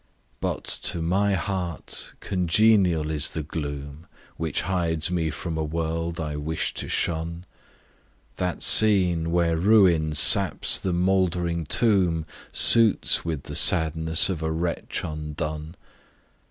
But to my heart congenial is the gloom Which hides me from a World I wish to shun; That scene where Ruin saps the mouldering tomb Suits with the sadness of a wretch undone.